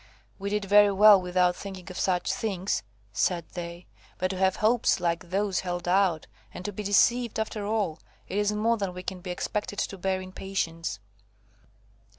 "We did very well without thinking of such things," said they, "but to have hopes like those held out, and to be deceived after all,–it is more than we can be expected to bear in patience."